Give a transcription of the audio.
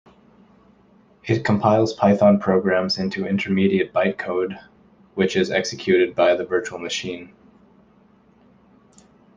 It compiles Python programs into intermediate bytecode, which is executed by the virtual machine.